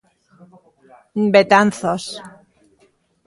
Betanzos.